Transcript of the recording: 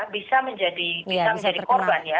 bisa menjadi korban ya